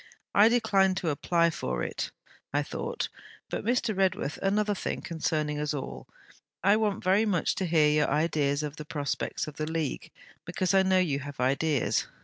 'I declined to apply for it. I thought But, Mr. Redworth, another thing, concerning us all: I want very much to hear your ideas of the prospects of the League; because I know you have ideas.